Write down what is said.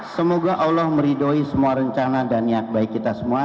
semoga allah meridoi semua rencana dan niat baik kita semua